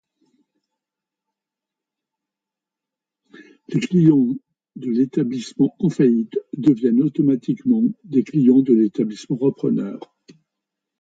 Les clients de l'établissement en faillite deviennent automatiquement des clients de l'établissement repreneur.